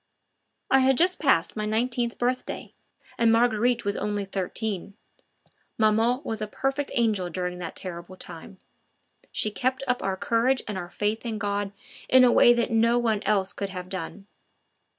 I had just passed my nineteenth birthday, and Marguerite was only thirteen. Maman was a perfect angel during that terrible time; she kept up our courage and our faith in God in a way that no one else could have done.